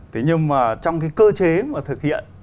thế nhưng mà trong cái cơ chế mà thực hiện